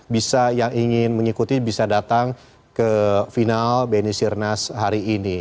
bisa yang ingin mengikuti bisa datang ke final bni sirnas hari ini